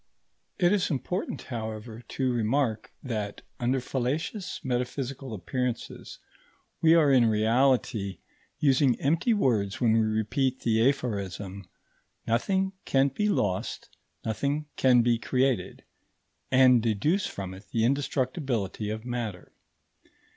It is important, however, to remark that, under fallacious metaphysical appearances, we are in reality using empty words when we repeat the aphorism, "Nothing can be lost, nothing can be created," and deduce from it the indestructibility of matter.